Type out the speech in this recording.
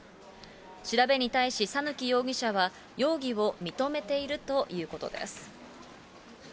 調べに対し讃岐容疑者は、容疑を認めているということです。